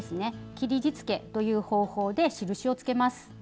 切りじつけという方法で印をつけます。